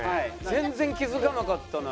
全然気付かなかったな。